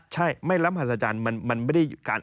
ใช่ไม่รับหัศจรรย์มันไม่ได้อยู่